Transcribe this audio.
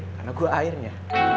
karena gua airnya